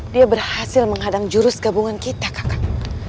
dia berhasil menghadang jurus gabungan kita kakak